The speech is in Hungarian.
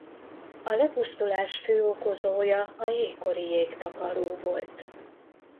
A lepusztulás fő okozója a jégkori jégtakaró volt.